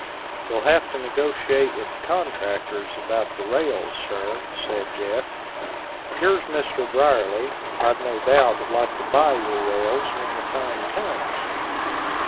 "You'll have to negotiate with the contractors about the rails, sir," said Jeff; "here's Mr. Brierly, I've no doubt would like to buy your rails when the time comes."